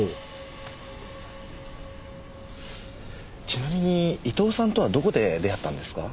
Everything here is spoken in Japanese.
ちなみに伊藤さんとはどこで出会ったんですか？